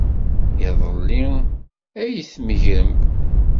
Iḍelli ay tmegrem.